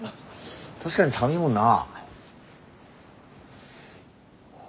確かに寒いもんな。